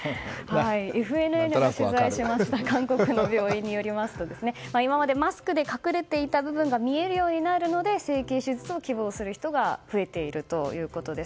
ＦＮＮが取材した韓国の病院によりますと今までマスクで隠れていた部分が見えるようになるので整形手術を希望する人が増えているということです。